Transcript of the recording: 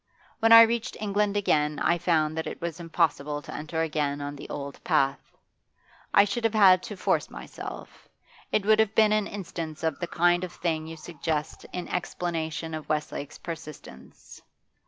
When I reached England again I found that it was impossible to enter again on the old path; I should have had to force myself; it would have been an instance of the kind of thing you suggest in explanation of Westlake's persistence.